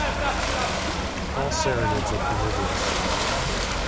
All serranids are carnivorous.